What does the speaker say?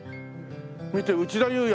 見て内田裕也。